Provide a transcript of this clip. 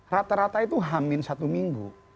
rata rata itu hamin satu minggu